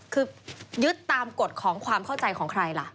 คือยึดตามกฎของความเข้าใจของใครล่ะ